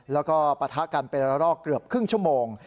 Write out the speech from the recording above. แล้วก็ปะทะกันเป็นระลอกเกือบครึ่งชั่วโมง